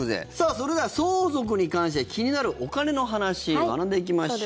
それでは、相続に関して気になるお金の話学んでいきましょう。